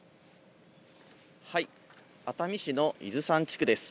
熱海市の伊豆山地区です。